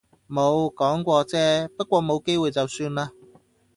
冇，講過啫。不過冇機會就算喇